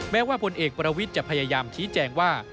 ว่าผลเอกประวิทย์จะพยายามชี้แจงว่า